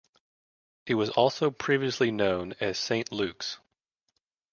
It was also previously known as Saint Luke's.